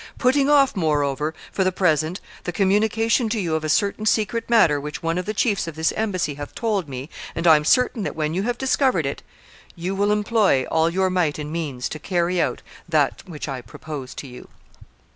Putting off, moreover, for the present the communication to you of a certain secret matter which one of the chiefs of this embassy hath told me; and I am certain that when you have discovered it, you will employ all your might and means to carry out that which I propose to you."